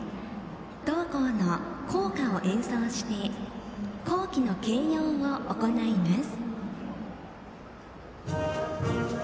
同校の校歌を演奏して校旗の掲揚を行います。